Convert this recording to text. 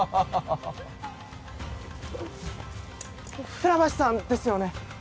船橋さんですよね？